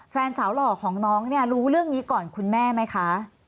แฟนสาวหล่อของน้องเนี่ยรู้เรื่องนี้ก่อนคุณแม่ไหมคะ